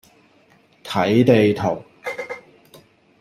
睇地圖